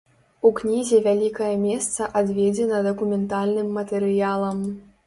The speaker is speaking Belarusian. У кнізе вялікае месца адведзена дакументальным матэрыялам.